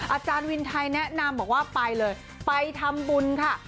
อาจารย์วินไทยแนะนำบอกว่าไปเลยไปทำบุญค่ะ